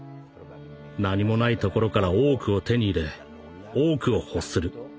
何もないところから多くを手に入れ多くを欲する。